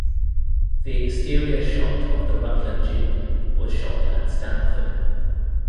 The exterior shot of the Rutland gym was shot at Stanford.